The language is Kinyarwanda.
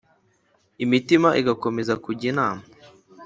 Imitima igakomeza kujya inama;